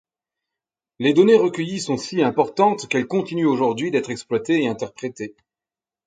Les données recueillies sont si importantes qu’elles continuent aujourd’hui d’être exploitées et interprétées.